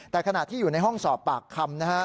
แต่ขณะที่อยู่ในห้องสอบปากคำนะฮะ